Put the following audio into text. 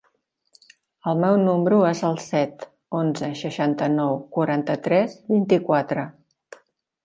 El meu número es el set, onze, seixanta-nou, quaranta-tres, vint-i-quatre.